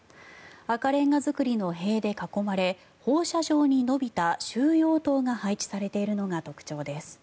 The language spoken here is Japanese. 赤レンガ造りの塀で囲まれ放射状に延びた収容棟が配置されているのが特徴です。